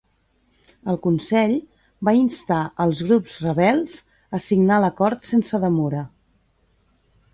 El Consell va instar als grups rebels a signar l'acord sense demora.